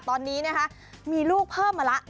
ตอนนี้มีลูกเพิ่มมาละ๑คน